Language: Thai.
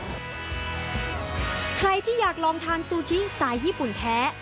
ใครที่อยากลองทานซูชิสไตล์ญี่ปุ่นแท้